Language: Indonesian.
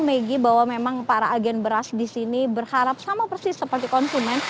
maggie bahwa memang para agen beras di sini berharap sama persis seperti konsumen